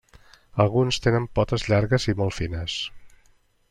Alguns tenen potes llargues i molt fines.